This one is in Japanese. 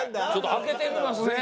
ちょっと開けてみます。